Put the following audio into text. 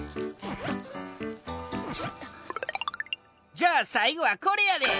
じゃあさいごはこれやで！